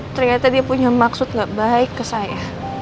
ternyata dia punya maksud gak baik ke saya